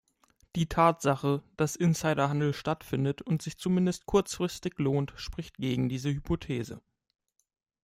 Die Tatsache, dass Insiderhandel stattfindet und sich zumindest kurzfristig lohnt, spricht gegen diese Hypothese.